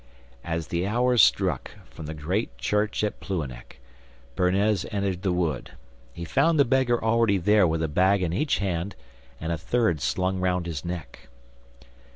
As the hour struck from the great church at Plouhinec, Bernez entered the wood. He found the beggar already there with a bag in each hand, and a third slung round his neck.